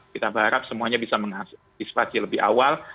kita berharap semuanya bisa mengantisipasi lebih awal